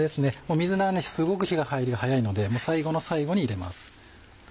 水菜はすごく火の入りが早いので最後の最後に入れます。